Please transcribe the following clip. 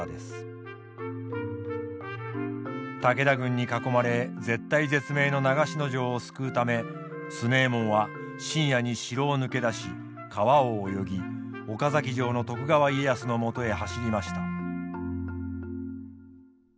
武田軍に囲まれ絶体絶命の長篠城を救うため強右衛門は深夜に城を抜け出し川を泳ぎ岡崎城の徳川家康のもとへ走りました。